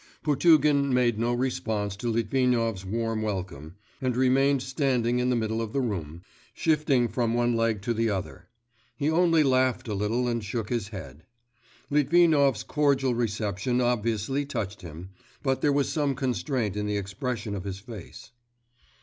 Potugin made no response to Litvinov's warm welcome, and remained standing in the middle of the room, shifting from one leg to the other; he only laughed a little and shook his head. Litvinov's cordial reception obviously touched him, but there was some constraint in the expression of his face.